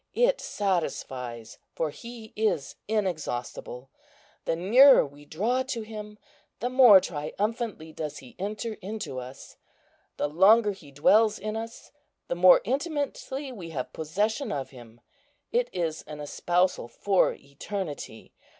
It satisfies, for He is inexhaustible. The nearer we draw to Him, the more triumphantly does He enter into us; the longer He dwells in us, the more intimately have we possession of Him. It is an espousal for eternity.